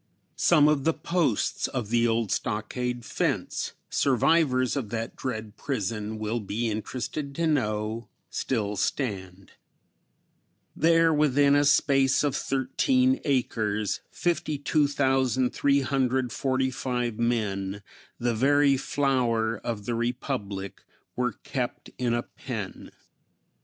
Some of the posts of the old stockade fence, survivors of that dread prison will be interested to know, still stand. There, within a space of thirteen acres, 52,345 men, the very flower of the Republic, were kept in a pen.